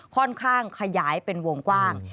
ค่อนข้างขยายเป็นวงกว้าง